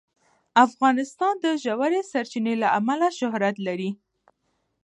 افغانستان د ژورې سرچینې له امله شهرت لري.